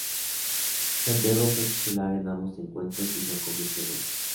Santiago fue titular en ambos encuentros y no convirtió goles.